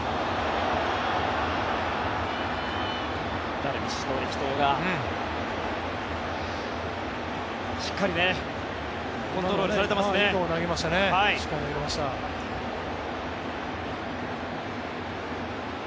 ダルビッシュの力投がしっかりコントロールされてますね。